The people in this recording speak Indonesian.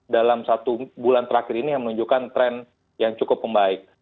dalam satu bulan terakhir ini yang menunjukkan tren yang cukup membaik